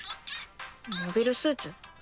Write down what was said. モビルスーツ？